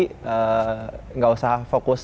kapanpun main tetap ready tetap ready